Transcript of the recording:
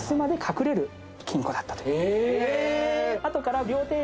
あとから。